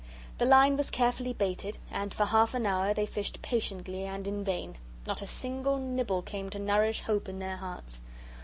The line was carefully baited, and for half an hour they fished patiently and in vain. Not a single nibble came to nourish hope in their hearts.